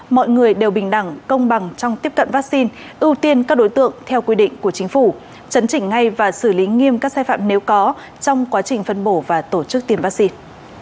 mọi người đều bình đẳng công bằng trong tiếp cận vaccine ưu tiên các đối tượng theo quy định của chính phủ chấn chỉnh ngay và xử lý nghiêm các sai phạm nếu có trong quá trình phân bổ và tổ chức tiêm vaccine